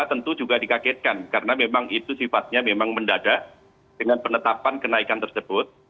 tentu juga dikagetkan karena memang itu sifatnya memang mendadak dengan penetapan kenaikan tersebut